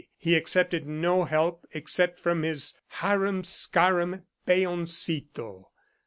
He accepted no help except from his harum scarum "Peoncito."